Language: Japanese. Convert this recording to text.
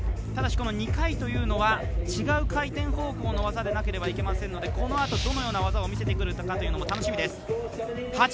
ただし、この２回というのは違う回転方向の技でなければいけませんのでこのあとどのような技を出すか楽しみです。